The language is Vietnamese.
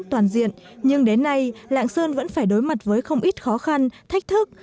toàn diện nhưng đến nay lạng sơn vẫn phải đối mặt với không ít khó khăn thách thức